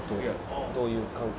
どういう関係？」。